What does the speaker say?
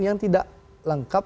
yang tidak lengkap